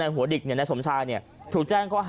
ในหัวดิกเนี่ยในสมชายเนี่ยถูกแจ้ง